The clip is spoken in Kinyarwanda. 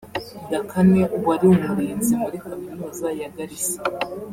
Dakane wari umurinzi muri Kaminuza ya Garissa